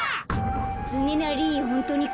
つねなりホントにこっち？